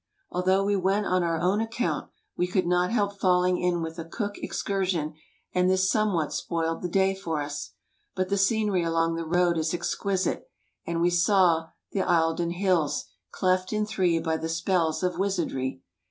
Although we went on our own account we could not help falling in with a Cook excursion and this somewhat spoiled the day for us. Bui the scenery along the road is exquisite and we saw the Eildon Hills, cleft in three by the spells of wizardry.